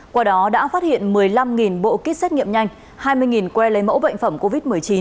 qua đó đã phát hiện một mươi năm bộ kit xét nghiệm nhanh hai mươi que lấy mẫu bệnh phẩm covid một mươi chín